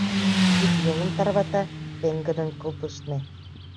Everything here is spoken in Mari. Кид-йолым тарвата — пеҥгыдын кылдыштме.